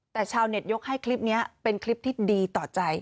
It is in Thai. แต่ชาวเน็ตยกให้คลิปนี้เป็นคลิปที่ดีต่อใจ